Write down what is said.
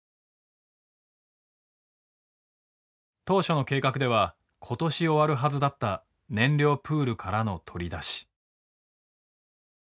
当初の計画では今年終わるはずだった燃料プールからの取り出し。